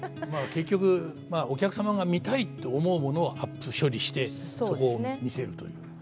まあ結局お客様が見たいと思うものはアップ処理してそこを見せるという。